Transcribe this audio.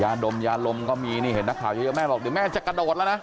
ดมยาลมก็มีนี่เห็นนักข่าวเยอะแม่บอกเดี๋ยวแม่จะกระโดดแล้วนะ